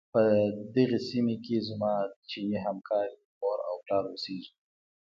په دغې سيمې کې زما د چيني همکارې مور او پلار اوسيږي.